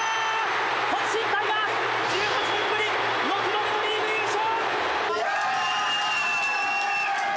阪神タイガース、１８年ぶり６度目のリーグ優勝！